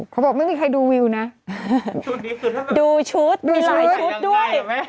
บอกไม่มีใครดูวิวนะดูชุดดูหลายชุดด้วย